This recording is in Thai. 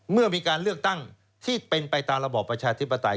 เมื่อมีการเลือกตั้งที่เป็นไปตามระบอบประชาธิปไตย